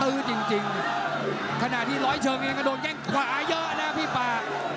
ื้อจริงขณะที่ร้อยเชิงเองก็โดนแข้งขวาเยอะนะพี่ป่า